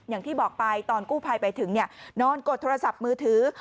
อย่างที่บอกไปตอนกู้ภัยไปถึงนอนกดโทรศัพท์มือถือ